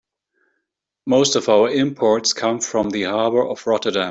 Most of our imports come from the harbor of Rotterdam.